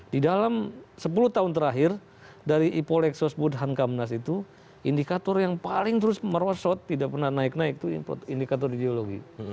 di dalam sepuluh tahun terakhir dari ipolexos budhan kamnas itu indikator yang paling terus merosot tidak pernah naik naik itu indikator ideologi